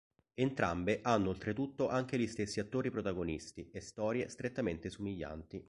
Entrambe hanno oltretutto anche gli stessi attori protagonisti e storie strettamente somiglianti.